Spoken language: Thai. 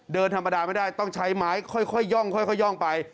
เดินธรรมดาไม่ได้ต้องใช้ไม้ค่อยย่องไป